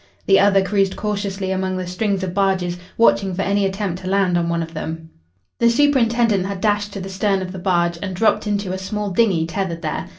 The other cruised cautiously among the strings of barges, watching for any attempt to land on one of them. The superintendent had dashed to the stern of the barge and dropped into a small dinghy tethered there.